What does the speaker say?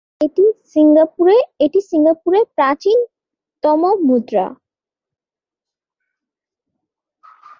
এটি সিঙ্গাপুরের প্রাচীনতম মাদ্রাসা।